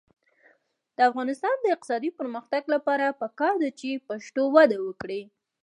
د افغانستان د اقتصادي پرمختګ لپاره پکار ده چې پښتو وده وکړي.